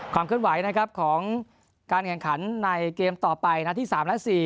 ความเคลื่อนไหวของการแข่งขันในเกมต่อไปที่๓และ๔